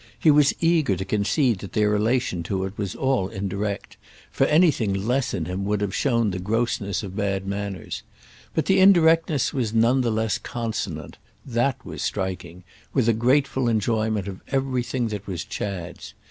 He was eager to concede that their relation to it was all indirect, for anything else in him would have shown the grossness of bad manners; but the indirectness was none the less consonant—that was striking—with a grateful enjoyment of everything that was Chad's.